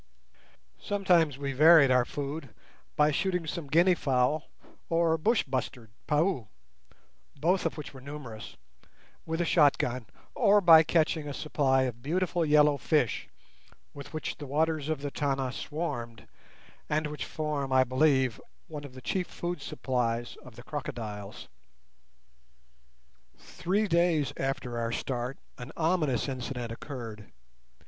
Sometimes we varied our food by shooting some guinea fowl, or bush bustard (paau)—both of which were numerous—with a shot gun, or by catching a supply of beautiful yellow fish, with which the waters of the Tana swarmed, and which form, I believe, one of the chief food supplies of the crocodiles. Three days after our start an ominous incident occurred.